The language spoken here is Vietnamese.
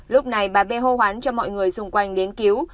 lúc này bà b hô hoán cho mọi người xung quanh đến cứu